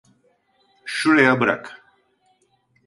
Şuraya bırak.